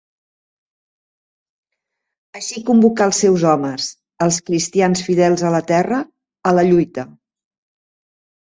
Així convocà els seus homes, els cristians fidels a la terra, a la lluita.